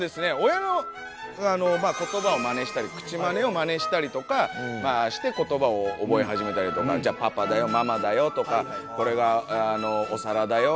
親のことばをマネしたり口まねをマネしたりとかしてことばを覚えはじめたりとかじゃあパパだよママだよとかこれがおさらだよ